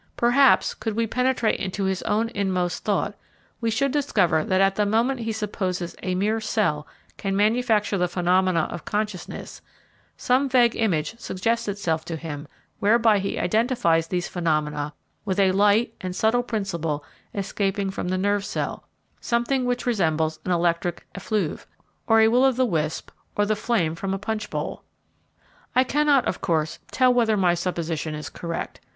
Perhaps, could we penetrate into his own inmost thought, we should discover that at the moment he supposes a mere cell can manufacture the phenomena of consciousness, some vague image suggests itself to him whereby he identifies these phenomena with a light and subtle principle escaping from the nerve cell, something which resembles an electric effluve, or a will of the wisp, or the flame from a punch bowl. I cannot, of course, tell whether my supposition is correct.